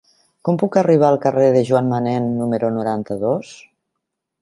Com puc arribar al carrer de Joan Manén número noranta-dos?